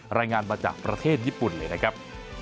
รายงานมาจากประเทศญี่ปุ่นเลยนะครับ